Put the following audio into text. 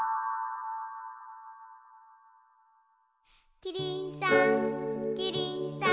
キリンさんキリンさん